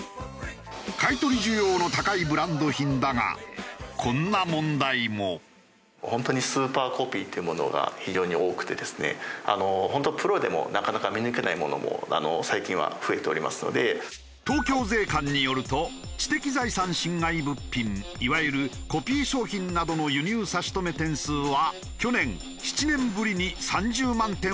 買い取り需要の高いブランド品だが東京税関によると知的財産侵害物品いわゆるコピー商品などの輸入差し止め点数は去年７年ぶりに３０万点を超えた。